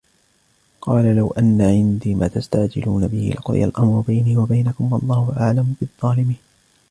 قُلْ لَوْ أَنَّ عِنْدِي مَا تَسْتَعْجِلُونَ بِهِ لَقُضِيَ الْأَمْرُ بَيْنِي وَبَيْنَكُمْ وَاللَّهُ أَعْلَمُ بِالظَّالِمِينَ